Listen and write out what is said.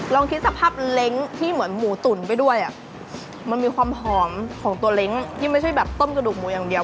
ลองคิดสภาพเล้งที่เหมือนหมูตุ๋นไปด้วยอ่ะมันมีความหอมของตัวเล้งที่ไม่ใช่แบบต้มกระดูกหมูอย่างเดียว